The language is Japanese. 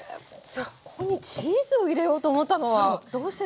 ここにチーズを入れようと思ったのはどうしてですか？